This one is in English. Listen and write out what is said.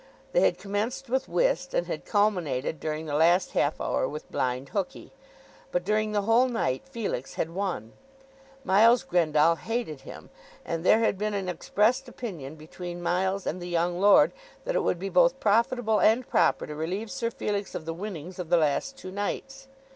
They had commenced with whist, and had culminated during the last half hour with blind hookey. But during the whole night Felix had won. Miles Grendall hated him, and there had been an expressed opinion between Miles and the young lord that it would be both profitable and proper to relieve Sir Felix of the winnings of the last two nights.